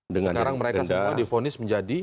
sekarang mereka di vonis menjadi